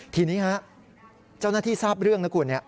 ทีนี้เจ้าหน้าที่ทราบเรื่อง